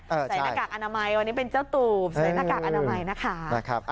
ใส่หน้ากากอนามัยวันนี้เป็นเจ้าตูบใส่หน้ากากอนามัยนะคะ